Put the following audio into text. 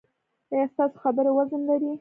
ایا ستاسو خبره وزن لري؟